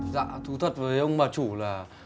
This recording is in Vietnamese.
dạ thú thật với ông bà chủ là